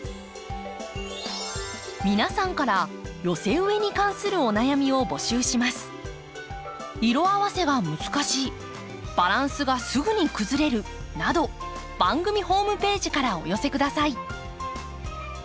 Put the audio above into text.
皆さんから寄せ植えに関するお悩みを募集します。など番組ホームページからお寄せ下さい。